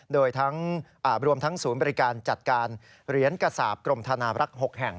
โดยรวมทั้งศูนย์บริการจัดการเหรียญกษาปกรมธนาบรักษ์๖แห่ง